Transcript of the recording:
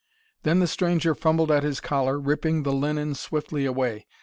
Then the stranger fumbled at his collar, ripping the linen swiftly away.